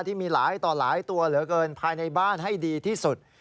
ที่มีหลายต่อหลายตัวเหลือเกินภายในบ้านให้ดีที่สุด